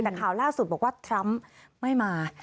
แต่ข่าวล่าสุดบอกว่าทรัมป์ไม่มา